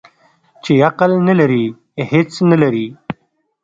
ـ چې عقل نه لري هېڅ نه لري.